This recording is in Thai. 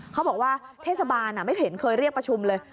เขาบอกว่าเทศบาลไม่เห็นเคยเรียกประชุมเลย